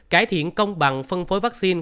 cải thiện công bằng phân phối vaccine